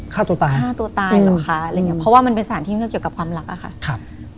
ฆ่าตัวตายเพราะว่ามันเป็นสถานที่เกี่ยวกับพำลังค่ะ